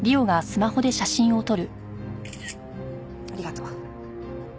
ありがとう。